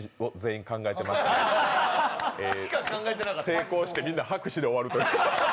成功してみんな拍手で終わるという。